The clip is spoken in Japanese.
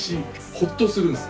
ほっとするんです。